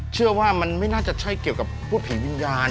เชื่อว่ามันไม่น่าจะใช่เกี่ยวกับพูดผีวิญญาณ